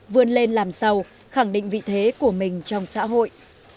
vươn lên làm sâu khẳng định vị thế của mình trong xã hội